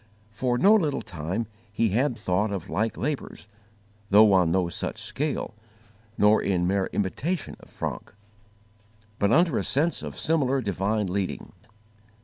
For no little time he had thought of like labours, though on no such scale, nor in mere imitation of Francke, but under a sense of similar divine leading.